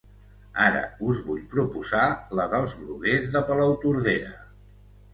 ara us vull proposar la dels Bruguers de Palautordera